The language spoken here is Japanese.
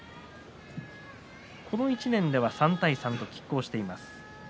この１年では３対３ときっ抗しています。